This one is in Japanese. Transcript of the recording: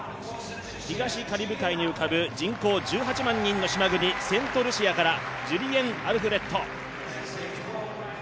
東カリブ海に浮かぶ島国セントルシアからジュリエン・アルフレッド。